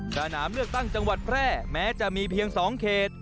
สนามเลือกตั้งจังหวัดแพร่แม้จะมีเพียง๒เขต